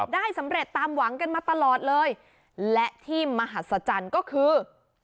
ได้สำเร็จตามหวังกันมาตลอดเลยและที่มหัศจรรย์ก็คือ